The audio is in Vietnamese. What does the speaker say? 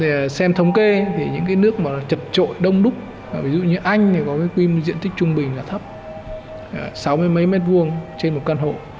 nếu bạn xem thống kê thì những cái nước mà trật trội đông đúc ví dụ như anh thì có cái diện tích trung bình là thấp sáu mươi m hai trên một căn hộ